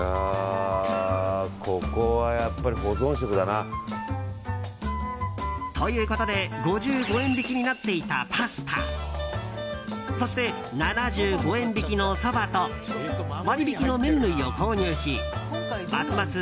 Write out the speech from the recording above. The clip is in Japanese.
ここはやっぱり保存食だな。ということで５５円引きになっていたパスタそして、７５円引きのそばと割引の麺類を購入しますます